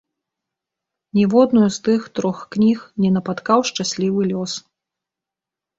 Ніводную з тых трох кніг не напаткаў шчаслівы лёс.